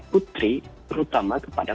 putri terutama kepada